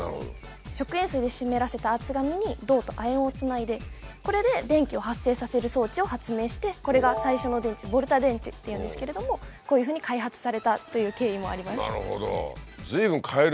食塩水で湿らせた厚紙に銅と亜鉛をつないでこれで電気を発生させる装置を発明してこれが最初の電池「ボルタ電池」というんですけれどもこういうふうに開発されたという経緯もあります。